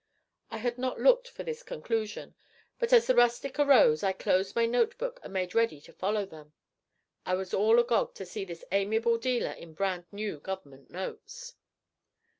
I had not looked for this conclusion, but as the rustic arose I closed my notebook and made ready to follow them. I was all agog to see this amiable dealer in brand new Government notes.